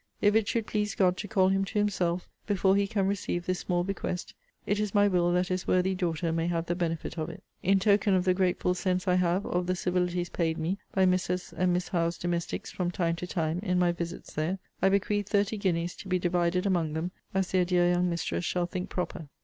If it should please God to call him to Himself before he can receive this small bequest, it is my will that his worthy daughter may have the benefit of it. In token of the grateful sense I have of the civilities paid me by Mrs. and Miss Howe's domestics, from time to time, in my visits there, I bequeath thirty guineas, to be divided among them, as their dear young mistress shall think proper.